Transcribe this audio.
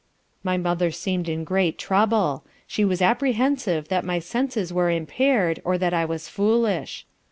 My mother seemed in great trouble; she was apprehensive that my senses were impaired, or that I was foolish.